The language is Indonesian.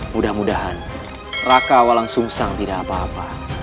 mudah mudahan raka walang sumsang tidak apa apa